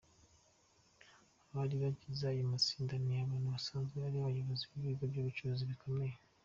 Abari bagize ayo matsinda ni abantu basanzwe ari abayobozi b’ibigo by’ubucuruzi bikomeye.